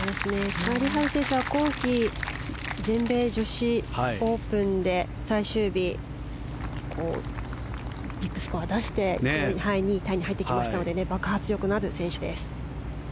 チャーリー・ハル選手は今季、全米女子オープンで最終日、ビッグスコアを出して２位タイに入ってきましたので爆発力のある選手です。